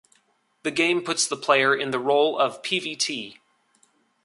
The game puts the player in the role of Pvt.